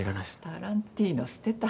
タランティーノ捨てた。